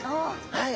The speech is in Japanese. はい。